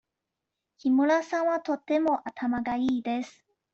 木村さんはとても頭がいいです。